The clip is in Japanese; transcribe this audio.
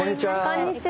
こんにちは。